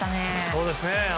そうですね。